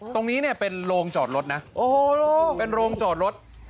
ตรงนี้เนี่ยเป็นโรงจอดรถนะโอ้โหเป็นโรงจอดรถ